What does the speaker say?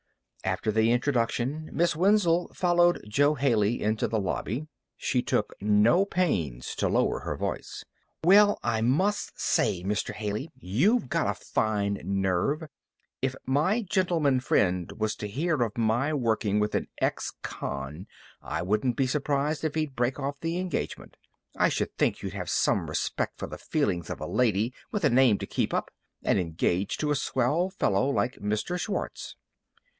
After the introduction Miss Wenzel followed Jo Haley into the lobby. She took no pains to lower her voice. "Well I must say, Mr. Haley, you've got a fine nerve! If my gentleman friend was to hear of my working with an ex con I wouldn't be surprised if he'd break off the engagement. I should think you'd have some respect for the feelings of a lady with a name to keep up, and engaged to a swell fellow like Mr. Schwartz."